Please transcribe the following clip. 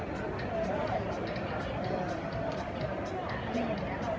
มันเป็นสิ่งที่จะให้ทุกคนรู้สึกว่า